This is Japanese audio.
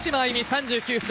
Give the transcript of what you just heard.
３９歳。